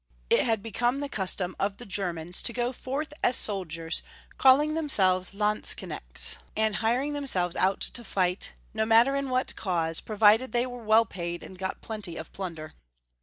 It had become tlie custom of the Germans to go fortli as soldiers, calling themselves Landsknechts, and 308 Young Folks' History of 0 ermany. hiring themselves out to fight, no matter in what cause, provided they were well paid, and got plenty of plunder.